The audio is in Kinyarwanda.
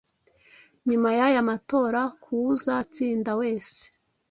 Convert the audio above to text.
nyuma y'aya matora, k'uwuzatsinda wese.